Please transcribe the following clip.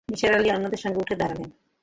নিসার আলি অন্যদের সঙ্গে উঠে দাঁড়ালেন।